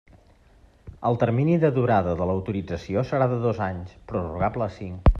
El termini de durada de l'autorització serà de dos anys, prorrogable a cinc.